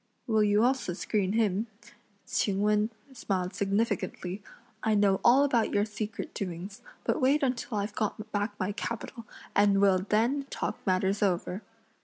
"Will you also screen him?" Ch'ing Wen smiled significantly; "I know all about your secret doings, but wait until I've got back my capital, and we'll then talk matters over!"